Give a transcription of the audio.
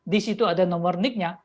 di situ ada nomor nick nya